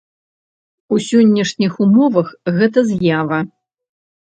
У сённяшніх умовах гэта з'ява.